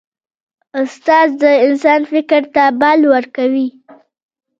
استاد د انسان فکر ته بال ورکوي.